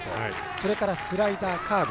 それからスライダー、カーブ